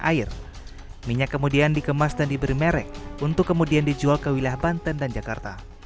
air minyak kemudian dikemas dan diberi merek untuk kemudian dijual ke wilayah banten dan jakarta